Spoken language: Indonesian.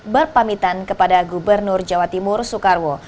berpamitan kepada gubernur jawa timur soekarwo